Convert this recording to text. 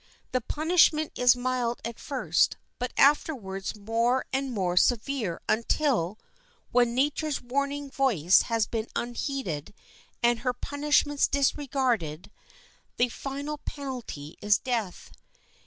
The punishment is mild at first, but afterwards more and more severe, until, when nature's warning voice has been unheeded and her punishments disregarded, the final penalty is death.